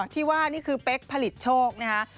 ที่ว่านี่คือเป๊กผลิตโชคนะคะ